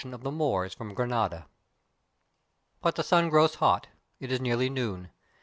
.. the Moors from Grani But the sun grows hot; it is nearly noon.